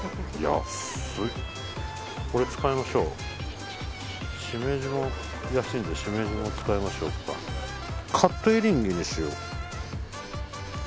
安いこれ使いましょうしめじも安いんでしめじも使いましょうかカットエリンギにしよう